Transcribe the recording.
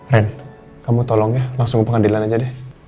ren kamu tolong ya langsung ke pengadilan aja deh